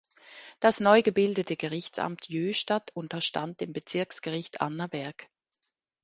Das neu gebildete Gerichtsamt Jöhstadt unterstand dem Bezirksgericht Annaberg.